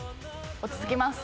落ち着きます。